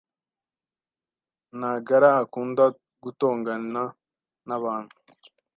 Ntagara akunda gutongana nabantu.